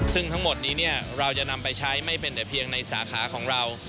ซึ่งทั้งหมดนี้เราจะนำไปใช้ไม่เป็นแต่เพียงในสาขาของเรา